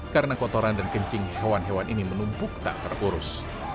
karena kotoran dan kencing hewan hewan ini menumpuk tak terurus